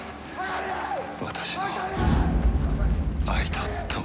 私の愛と共に。